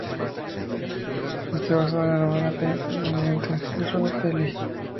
Está basada en la novela "Tainted Evidence" de Robert Daley.